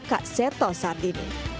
kak seta saat ini